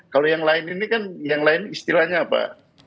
kalau yang lain ini kan yang lain istilahnya apa